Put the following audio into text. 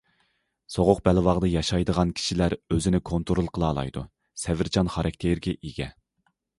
سوغۇق بەلباغدا ياشايدىغان كىشىلەر ئۆزىنى كونترول قىلالايدۇ، سەۋرچان خاراكتېرگە ئىگە.